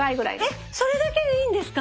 えっそれだけでいいんですか？